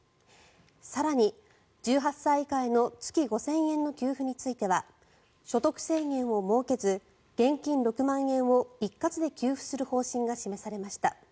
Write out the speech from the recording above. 更に、１８歳以下への月５０００円の給付については所得制限を設けず現金６万円を一括で給付する方針が示されました。